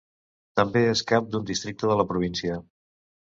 També és cap d'un districte de la província.